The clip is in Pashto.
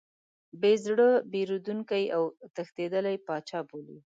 بې زړه، بېرندوکی او تښتېدلی پاچا بولي.